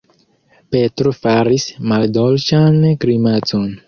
Petro faris maldolĉan grimacon.